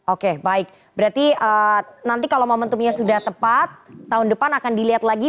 oke baik berarti nanti kalau momentumnya sudah tepat tahun depan akan dilihat lagi